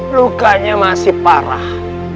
lukanya masih parah